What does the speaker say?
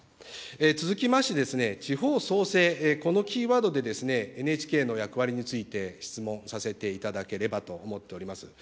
続きまして、地方創生、このキーワードで、ＮＨＫの役割について質問させていただければと思っております。